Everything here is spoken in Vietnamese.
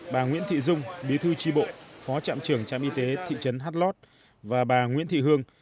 bà nguyễn thị dung bí thư tri bộ phó trạm trưởng trạm y tế thị trấn hát lót và bà nguyễn thị hương